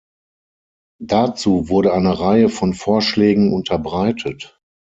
Dazu wurde eine Reihe von Vorschlägen unterbreitet.